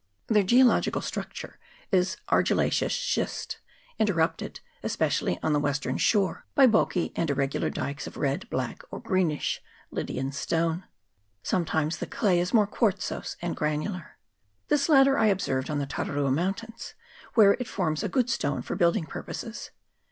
Their geological structure is argillaceous schist, interrupted, especially on the western shore, by 70 EARTHQUAKES. [PART I. bulky and irregular dikes of red, black, or greenish Lydian stone. Sometimes the clay is more quartzose and granular. This latter I observed on the Tara rua Mountains, where it forms a good stone for building purposes.